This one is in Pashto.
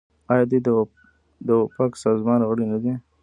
آیا دوی د اوپک سازمان غړي نه دي؟